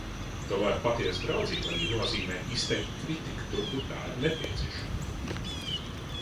Tomēr patiesa draudzība arī nozīmē izteikt kritiku tur, kur tā ir nepieciešama.